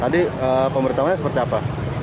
tadi pemberitahuan seperti apa